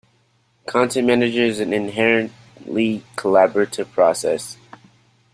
Content management is an inherently collaborative process.